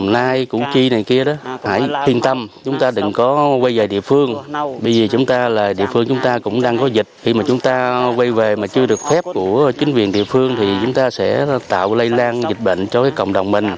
lây lan dịch bệnh cho cộng đồng mình